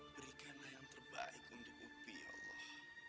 berikanlah yang terbaik untuk upi ya allah